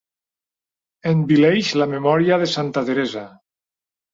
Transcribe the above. Envileix la memòria de santa Teresa.